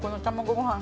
ごはん